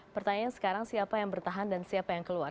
pertanyaan sekarang siapa yang bertahan dan siapa yang keluar